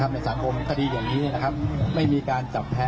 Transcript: ในสังคมคดีอย่างนี้ไม่มีการจับแพ้